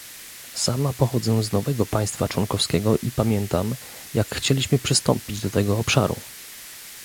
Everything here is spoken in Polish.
Sama pochodzę z nowego państwa członkowskiego i pamiętam, jak chcieliśmy przystąpić do tego obszaru